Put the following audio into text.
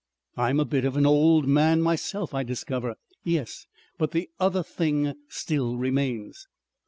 I'm a bit of an Old Man myself I discover. Yes. But the other thing still remains."